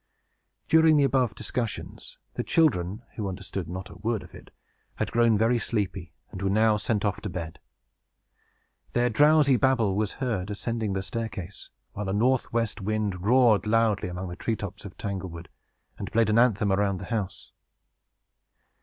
During the above discussion, the children (who understood not a word of it) had grown very sleepy, and were now sent off to bed. Their drowsy babble was heard, ascending the staircase, while a northwest wind roared loudly among the tree tops of Tanglewood, and played an anthem around the house.